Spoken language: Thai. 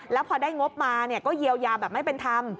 แล้วพอได้งบมาก็เยียวยาแบบไม่เป็นธรรม